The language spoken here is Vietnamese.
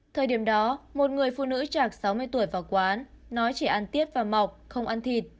thời điểm đó một người phụ nữ chạc sáu mươi tuổi vào quán nói chỉ ăn tiết và mọc không ăn thịt